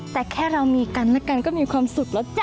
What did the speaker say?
แต่แค่เรามีกันและกันก็มีความสุขแล้วจ้